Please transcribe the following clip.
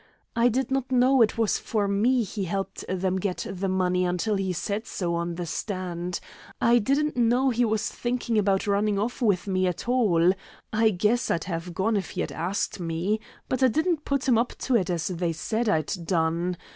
"I did not know it was for me he helped them get the money until he said so on the stand. I didn't know he was thinking of running off with me at all. I guess I'd have gone if he had asked me. But I didn't put him up to it as they said I'd done.